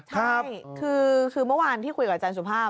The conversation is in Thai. ใช่คือเมื่อวานที่คุยกับอาจารย์สุภาพ